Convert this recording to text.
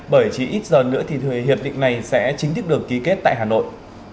bởi chỉ ít giờ nữa thì hiệp định này sẽ chính thức được ký kết tại hà nội